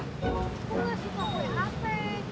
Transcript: aku gak suka wap